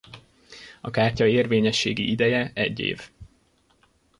A kártya érvényességi ideje egy év.